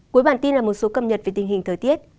cuối bản tin là một số cập nhật về tình hình thời tiết